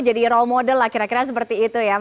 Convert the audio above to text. jadi role model lah kira kira seperti itu ya